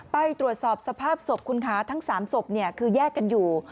ไปตรวจสอบสภาพศพคุณคะทั้ง๓ศพคือแยกกันอยู่